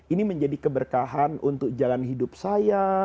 ini menjadi keberkahan untuk jalan hidup saya